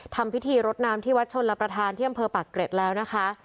ทำพิธีรดน้ำที่วัดชนรับประทานที่อำเภอปากเกร็ดแล้วนะคะ